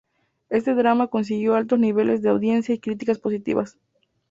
Este drama consiguió altos niveles de audiencia y críticas positivas.